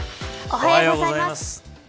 おはようございます。